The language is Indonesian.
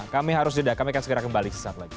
kami harus jeda kami akan segera kembali